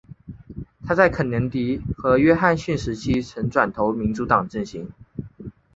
她在肯尼迪和约翰逊时期曾转投民主党阵型。